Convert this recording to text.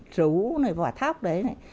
trấu này vỏ thóc đấy này